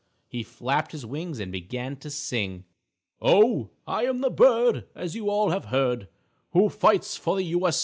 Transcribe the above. He flapped his wings and began to sing: "_Oh, I'm the bird as you all have heard Who fights for the U.